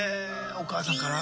お母さんから？